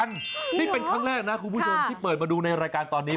นี่เป็นครั้งแรกนะคุณผู้ชมที่เปิดมาดูในรายการตอนนี้